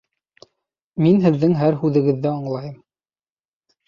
Мин һеҙҙең һәр һүҙегеҙҙе аңлайым